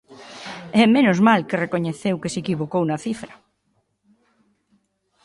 E menos mal que recoñeceu que se equivocou na cifra.